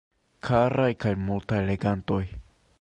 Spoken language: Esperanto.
Karaj kaj multaj legantoj.